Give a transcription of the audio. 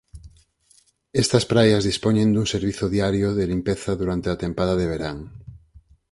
Estas praias dispoñen dun servizo diario de limpeza durante a tempada de verán.